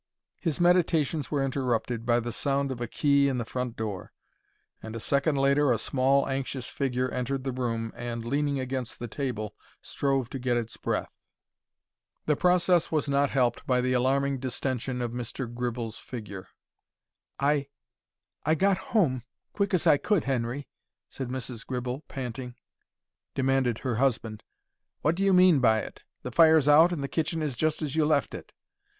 His meditations were interrupted by the sound of a key in the front door, and a second later a small, anxious figure entered the room and, leaning against the table, strove to get its breath. The process was not helped by the alarming distension of Mr. Gribble's figure. "I—I got home—quick as I could—Henry," said Mrs. Gribble, panting. "Where is my tea?" demanded her husband. "What do you mean by it? The fire's out and the kitchen is just as you left it."